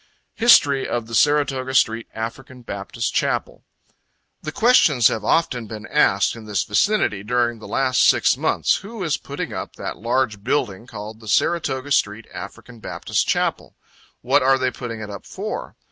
HISTORY OF THE SARATOGA STREET AFRICAN BAPTIST CHAPEL. "The questions have often been asked in this vicinity during the last six months, Who is putting up that large building called the 'Saratoga Street African Baptist Chapel?' 'What are they putting it up for?'